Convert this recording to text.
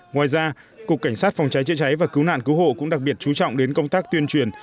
ngoài ra cục cảnh sát phòng cháy chữa cháy và cứu nạn cứu hộ cũng đặc biệt chú trọng đến công tác tuyên truyền